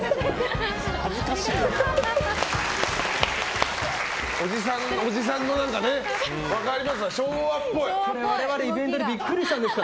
恥ずかしいよ。